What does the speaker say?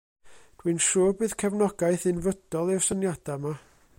Dwi'n siŵr bydd cefnogaeth unfrydol i'r syniada' 'ma.